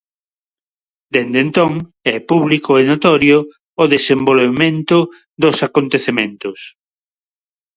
Dende entón, é público e notorio o desenvolvemento dos acontecementos.